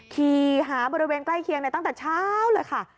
ขี่หาบริเวณใกล้เคียงตั้งแต่เช้าเลยค่ะ